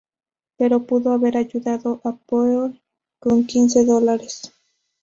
Pero pudo haber ayudado a Poe con quince dólares.